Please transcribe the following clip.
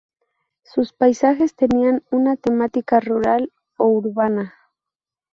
Sus paisajes tenían una temática rural o urbana.